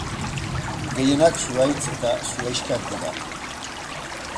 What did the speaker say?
Gehienak zuhaitz eta zuhaixkak dira.